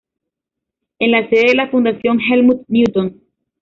Es la sede de la Fundación Helmut Newton.